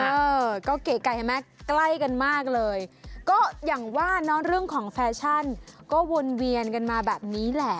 เออก็เก๋ไก่เห็นไหมใกล้กันมากเลยก็อย่างว่าเนอะเรื่องของแฟชั่นก็วนเวียนกันมาแบบนี้แหละ